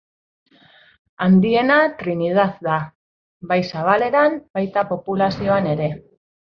Handiena Trinidad da, bai zabaleran, baita populazioan ere.